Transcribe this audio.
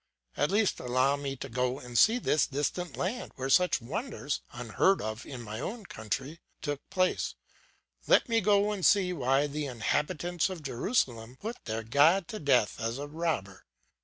At least allow me to go and see this distant land where such wonders, unheard of in my own country, took place; let me go and see why the inhabitants of Jerusalem put their God to death as a robber.